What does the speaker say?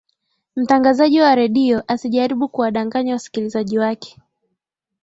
mtangazaji wa redio asijaribu kuwadanganya wasikilizaji wake